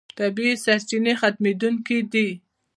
طبیعي سرچینې ختمېدونکې دي.